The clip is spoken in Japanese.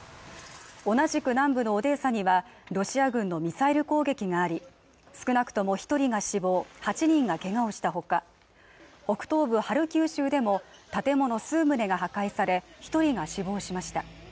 同じく南部のオデーサにはロシア軍のミサイル攻撃があり、少なくとも１人が死亡、８人がけがをした他、北東部ハルキウ州でも建物数棟が破壊され、１人が死亡しました。